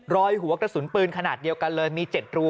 รอยหัวกระสุนปืนขนาดเดียวกันเลยมี๗รู